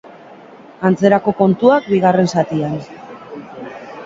Antzerako kontuak bigarren zatian.